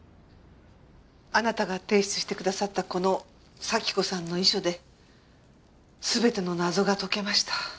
あなたが提出してくださったこのサキ子さんの遺書で全ての謎が解けました。